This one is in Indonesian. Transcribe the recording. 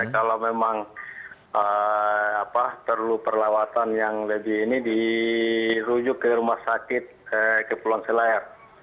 kalau memang perlu perlawatan yang lebih ini dirujuk ke rumah sakit ke pulau selaya